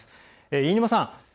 飯沼さん